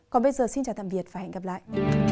còn bây giờ xin chào tạm biệt và hẹn gặp lại